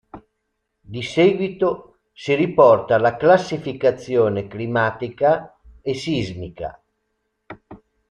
Di seguito si riporta la classificazione climatica e sismica.